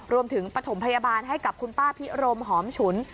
ปฐมพยาบาลให้กับคุณป้าพิรมหอมฉุน